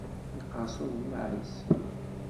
Yeqqers uḍellaɛ-is.